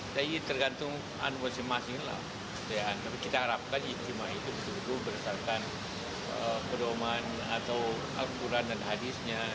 kita harapkan istimewa itu betul betul berdasarkan kedoman atau al quran dan hadisnya